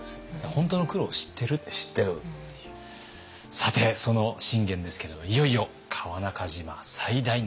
さてその信玄ですけれどもいよいよ川中島最大の戦いに臨みます。